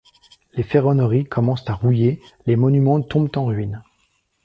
Les ferronneries commencent à rouiller, les monuments tombent en ruine.